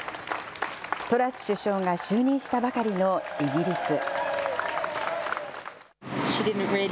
トラス首相が就任したばかりのイギリス。